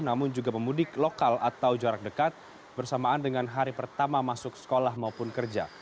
namun juga pemudik lokal atau jarak dekat bersamaan dengan hari pertama masuk sekolah maupun kerja